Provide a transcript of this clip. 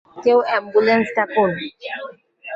কেউ অ্যাম্বুলেন্স ডাকুন!